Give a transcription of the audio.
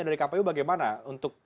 dari kpu bagaimana untuk